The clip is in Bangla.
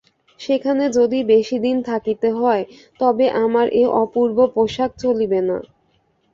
সেখানে যদি বেশী দিন থাকিতে হয়, তবে আমার এ অপূর্ব পোষাক চলিবে না।